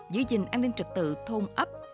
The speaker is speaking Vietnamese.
giữ gìn an ninh trật tự thôn ấp